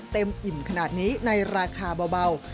อิ่มขนาดนี้ในราคาเบา